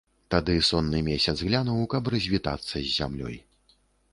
Тады сонны месяц глянуў, каб развітацца з зямлёй.